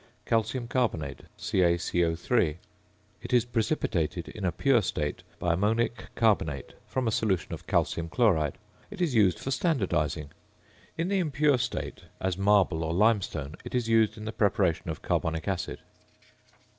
~Calcium Carbonate~, CaCO_. It is precipitated in a pure state by ammonic carbonate from a solution of calcium chloride. It is used for standardising. In the impure state, as marble or limestone, it is used in the preparation of carbonic acid.